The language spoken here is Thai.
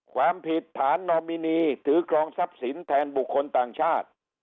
ความผิดฐานนอมินีถือครองทรัพย์สินแทนบุคคลต่างชาติ